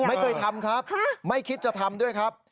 ไม่เคยทำครับไม่คิดจะทำด้วยครับ